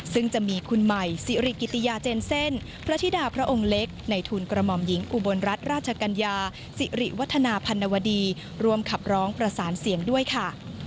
ซึ่งจะมีคุณใหม่สิริกิติยาเจนเซ่นพระธิดาพระองค์เล็กในทุนกระหม่อมหญิงอุบลรัฐราชกัญญาสิริวัฒนาพันนวดีรวมขับร้องประสานเสียงด้วยค่ะ